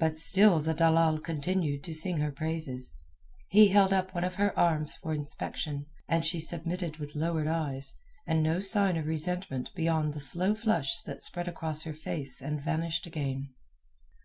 But still the dalal continued to sing her praises. He held up one of her arms for inspection, and she submitted with lowered eyes, and no sign of resentment beyond the slow flush that spread across her face and vanished again.